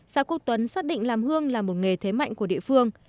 xã quốc tuấn xác định làm hương là một nghề thế mạnh của địa phương